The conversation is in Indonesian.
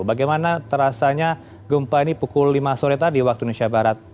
bagaimana terasanya gempa ini pukul lima sore tadi waktu indonesia barat